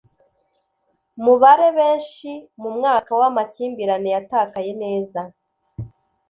mubare benshi mumwaka w'amakimbirane yatakaye neza,